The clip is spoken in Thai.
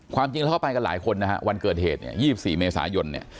ความจริงแล้วเข้าไปกันหลายคนนะฮะวันเกิดเหตุ๒๔เมษายน